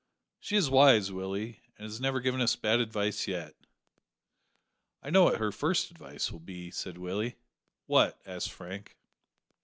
"She is wise, Willie, and has never given us bad advice yet." "I know what her first advice will be," said Willie. "What?" asked Frank.